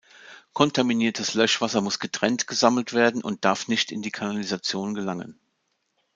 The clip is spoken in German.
Kontaminiertes Löschwasser muss getrennt gesammelt werden und darf nicht in die Kanalisation gelangen.